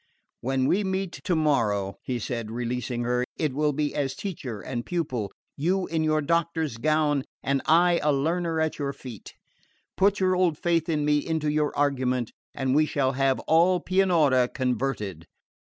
"When we meet tomorrow," he said, releasing her, "It will be as teacher and pupil, you in your doctor's gown and I a learner at your feet. Put your old faith in me into your argument, and we shall have all Pianura converted."